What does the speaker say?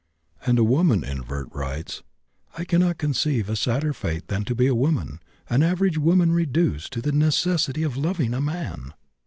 And a woman invert writes: "I cannot conceive a sadder fate than to be a woman an average woman reduced to the necessity of loving a man!"